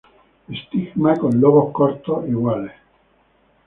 Estigma con lobos cortos, iguales.